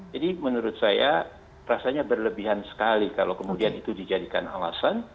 jadi menurut saya rasanya berlebihan sekali kalau kemudian itu dijadikan alasan